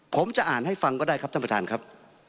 ผมจะอ่านให้ฟังก็ได้ครับท่านประธานครับ